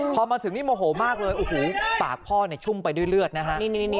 พอมาถึงนี่โมโหมากเลยโอ้โหปากพ่อชุ่มไปด้วยเลือดนะฮะ